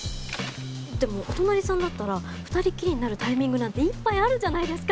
でもお隣さんだったら２人っきりになるタイミングなんていっぱいあるじゃないですか。